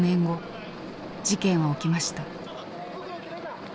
事件は起きました。